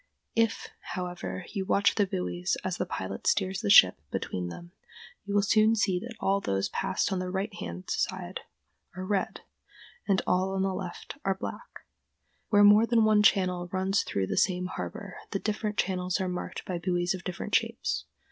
If, however, you watch the buoys as the pilot steers the ship between them, you will soon see that all those passed on the right hand side are red, and all on the left are black. Where more than one channel runs through the same harbor, the different channels are marked by buoys of different shapes.